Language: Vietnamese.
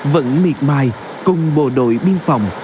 vẫn miệt mài cùng bộ đội biên phòng